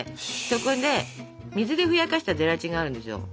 そこで水でふやかしたゼラチンがあるんですよ。